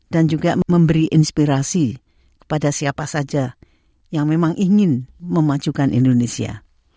dan juga memberi inspirasi kepada siapa saja yang memang ingin memajukan indonesia